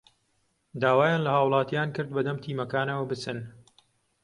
داوایان لە هاوڵاتیان کرد بەدەم تیمەکانەوە بچن